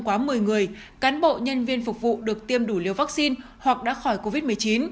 quá một mươi người cán bộ nhân viên phục vụ được tiêm đủ liều vaccine hoặc đã khỏi covid một mươi chín